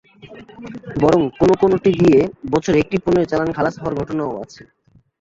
বরং কোনো কোনোটি দিয়ে বছরে একটি পণ্যের চালান খালাস হওয়ার ঘটনাও আছে।